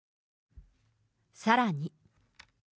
さらに。